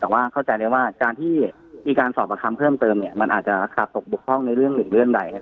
แต่ว่าเข้าใจเลยว่าการที่มีการสอบกับคำเพิ่มเติมเนี้ยมันอาจจะขาดตกบุคคล่องในเรื่องหรือเรื่องใดครับ